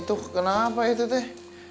itu kenapa itu teh